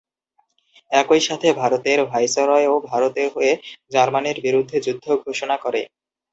একইসাথে ভারতের ভাইসরয়ও ভারতের হয়ে জার্মানির বিরুদ্ধে যুদ্ধ ঘোষণা করে।